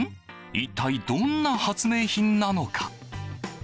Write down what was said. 一体どんな発明品なのか。